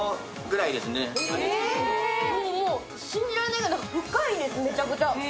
信じられないぐらい深いです、めちゃくちゃ。